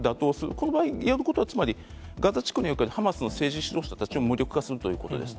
この場合、やることはつまり、ガザ地区におけるハマスの政治主導者たちを無力化するということです。